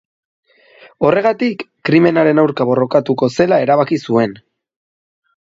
Horregatik, krimenaren aurka borrokatuko zela erabaki zuen.